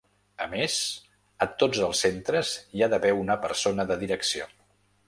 A més, a tots els centres hi ha d’haver una persona de direcció.